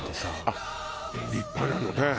あっ立派なのね！